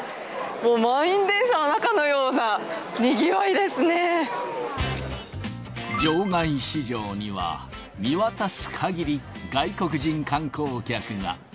もう満員電車の中のようなにぎわ場外市場には、見渡すかぎり外国人観光客が。